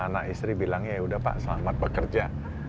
anak istri bilang ya sudah pak selamat bekerja